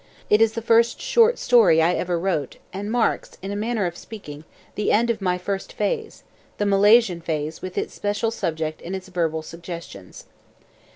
It is the first short story I ever wrote and marks, in a manner of speaking, the end of my first phase, the Malayan phase with its special subject and its verbal suggestions.